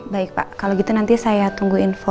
baik pak kalau gitu nanti saya tunggu info